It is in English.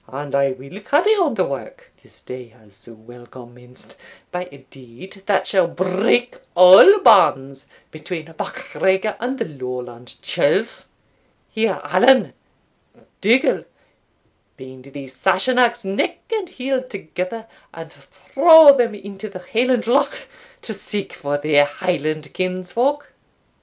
And I will carry on the work, this day has so well commenced, by a deed that shall break all bands between MacGregor and the Lowland churls. Here Allan Dougal bind these Sassenachs neck and heel together, and throw them into the Highland Loch to seek for their Highland kinsfolk."